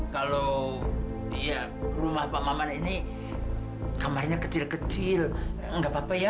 kalau rumah pak maman ini kamarnya kecil kecil nggak apa apa ya